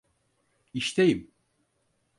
İşteyim.